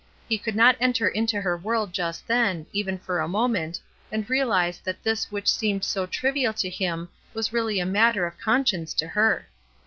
He could not enter into her world just then, even for a moment, and realize that this which seemed so trivial to him was really a matter of conscience to her.